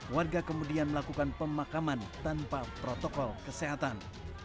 warga kemudian melakukan pemakaman tanpa protokol kesehatan